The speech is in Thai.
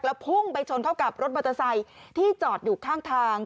แล้วพุ่งไปชนเข้ากับรถมอเตอร์ไซค์ที่จอดอยู่ข้างทาง